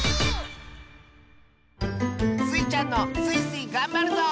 スイちゃんの「スイスイ！がんばるぞ」